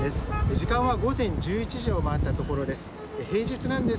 時間は午前１１時を回ったところです。